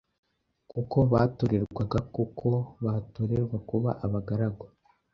kuko batorerwaga kuko batorerwa kuba abagaragu